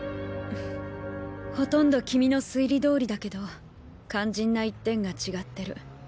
ほとんど君の推理通りだけど肝心な一点が違ってる。